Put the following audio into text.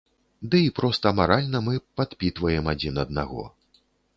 Ды і проста маральна мы падпітваем адзін аднаго.